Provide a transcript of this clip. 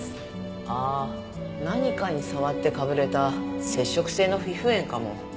ああ何かに触ってかぶれた接触性の皮膚炎かも。